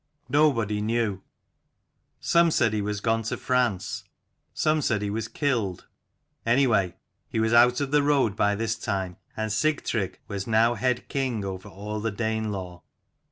] Nobody knew: some said he was gone to France, some said he was killed: anyway he was out of the road by this time, and Sigtrygg was now head king over all the Danelaw.